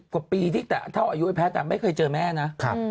๓๐กว่าปีที่เท่าอายุแพทย์ไม่เคยเจอแม่นะ